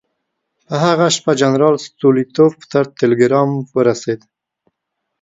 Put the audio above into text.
په هغه شپه جنرال ستولیتوف ته ټلګرام ورسېد.